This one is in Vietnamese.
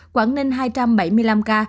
quảng ninh hai trăm bảy mươi năm ca